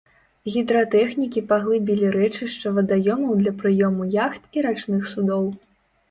Гідратэхнікі паглыбілі рэчышча вадаёмаў для прыёму яхт і рачных судоў.